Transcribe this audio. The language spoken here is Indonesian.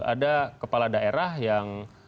ada kepala daerah yang